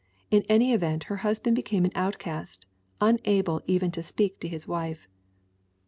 In any event her husband became an outcast, unable even to speak to his wife.